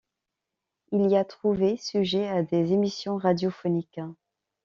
Il y a trouvé sujet à des émissions radiophoniques.